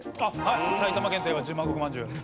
埼玉県といえば十万石まんじゅう。